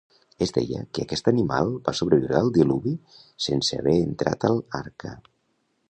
Es deia que aquest animal va sobreviure al diluvi sense haver entrat al Arca